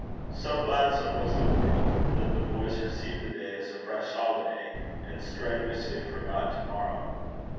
So gladsome was the world, that the boys received the day as a fresh holiday, and strenuously forgot to morrow.